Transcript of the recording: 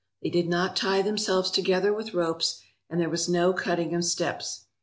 They did not tie themselves together with ropes, and there was no cutting of steps.